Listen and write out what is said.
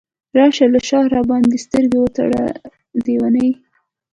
راشه له شاه راباندې سترګې وتړه لیونۍ !